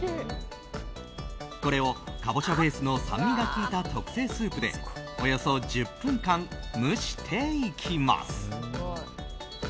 これをカボチャベースの酸味が効いた特製スープでおよそ１０分間蒸していきます。